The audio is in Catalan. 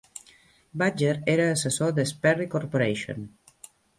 Badger era assessor de Sperry Corporation.